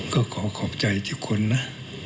ก็ขอขอบใจทุกคนนะ